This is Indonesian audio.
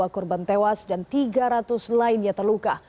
dua korban tewas dan tiga ratus lainnya terluka